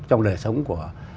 trong đời sống của